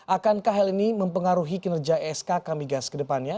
akankah hal ini mempengaruhi kinerja skk migas ke depannya